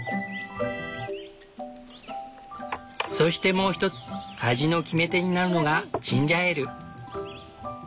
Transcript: そしてもうひとつ味の決め手になるのがジンジャーエール。